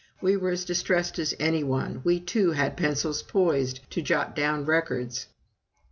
We were as distressed as any one we, too, had pencils poised to jot down records.